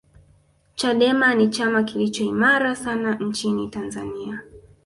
chadema ni chama kilicho imara sana nchini tanzania